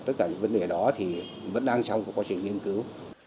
tất cả những vấn đề đó thì vẫn đang trong quá trình nghiên cứu